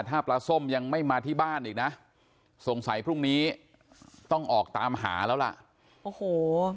ถ้าปลาส้มยังไม่มาที่บ้านอีกนะสงสัยพรุ่งนี้ต้องออกตามหาแล้วล่ะโอ้โห